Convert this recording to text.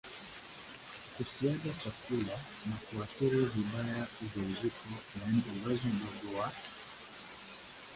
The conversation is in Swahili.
kusiaga chakula na kuathiri vibaya ujauzito yaani uwezo mdogo wa